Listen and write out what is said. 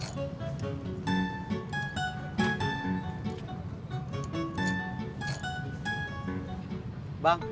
punya charger hp kakak